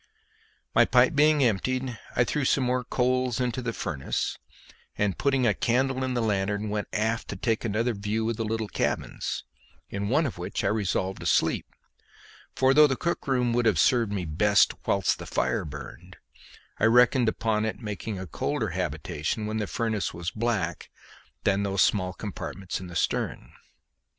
My pipe being emptied, I threw some more coals into the furnace, and putting a candle in the lanthorn went aft to take another view of the little cabins, in one of which I resolved to sleep, for though the cook room would have served me best whilst the fire burned, I reckoned upon it making a colder habitation when the furnace was black than those small compartments in the stern.